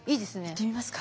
いってみますか？